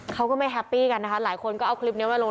เขาก็ไม่แฮปปี้กันนะคะหลายคนก็เอาคลิปนี้มาลง